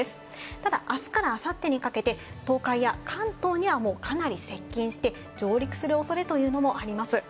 ただ、あすからあさってにかけて、東海や関東にはもうかなり接近して上陸するおそれというのもあります。